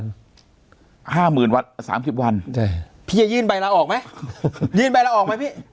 พี่จะยื่นใบละออกไหมยื่นใบละออกไหมพี่